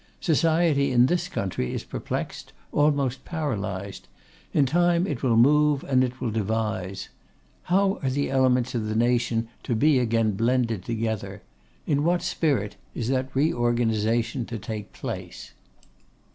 Society in this country is perplexed, almost paralysed; in time it will move, and it will devise. How are the elements of the nation to be again blended together? In what spirit is that reorganisation to take place?